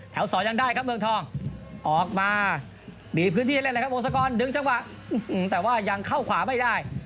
แถวสอยังได้อย่างเมืองทองออกมาหลีปรื้ให้เล่นโอนสากรดึงจังหวะแต่ว่ายังเข้าขวาไม่ได้